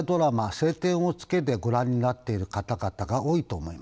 「青天を衝け」でご覧になっている方々が多いと思います。